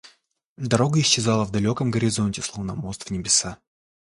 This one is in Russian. Дорога исчезала в далеком горизонте, словно мост в небеса.